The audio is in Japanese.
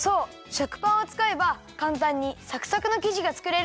食パンをつかえばかんたんにサクサクのきじがつくれるんだよ！